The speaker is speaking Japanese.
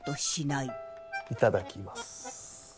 いただきます。